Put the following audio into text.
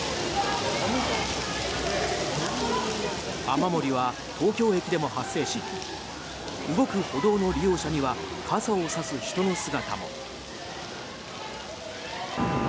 雨漏りは東京駅でも発生し動く歩道の利用者には傘を差す人の姿も。